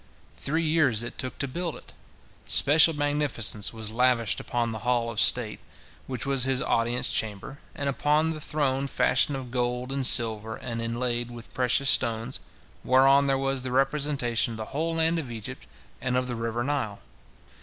Three years it took to build it. Special magnificence was lavished upon the hall of state, which was his audience chamber, and upon the throne fashioned of gold and silver and inlaid with precious stones, whereon there was a representation of the whole land of Egypt and of the river Nile.